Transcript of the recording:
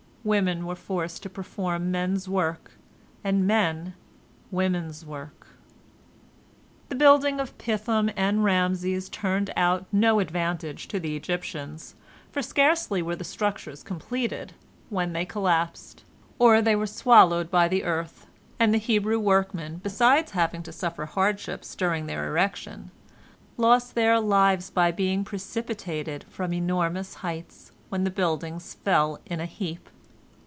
Women were forced to perform men's work, and men women's work. The building of Pithom and Raamses turned out of no advantage to the Egyptians, for scarcely were the structures completed, when they collapsed, or they were swallowed by the earth, and the Hebrew workmen, besides having to suffer hardships during their erection, lost their lives by being precipitated from enormous heights, when the buildings fell in a heap.